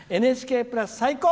ＮＨＫプラス、最高！